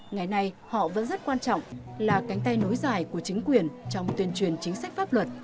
ngày nay họ vẫn rất quan trọng là cánh tay nối dài của chính quyền trong tuyên truyền chính sách pháp luật